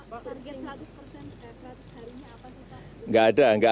pak target seratus hari apa sih pak